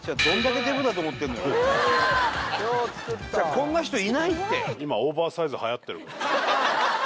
こんな人いないって。